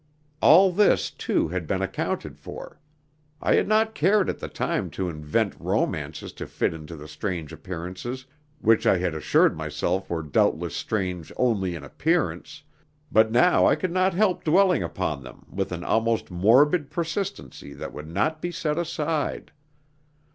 All this, too, had been accounted for. I had not cared at the time to invent romances to fit into the strange appearances, which I had assured myself were doubtless strange only in appearance; but now I could not help dwelling upon them with an almost morbid persistency that would not be set aside.